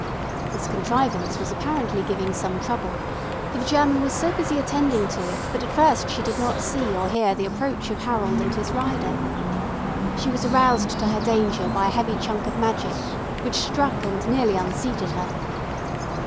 This contrivance was apparently giving some trouble, for the German was so busy attending to it that at first she did not see or hear the approach of Harold and his rider. She was aroused to her danger by a heavy chunk of magic which struck and nearly unseated her.